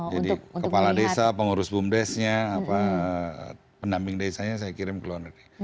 jadi kepala desa pengurus bumdes nya penamping desanya saya kirim ke luar negeri